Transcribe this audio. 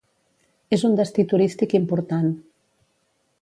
És un destí turístic important.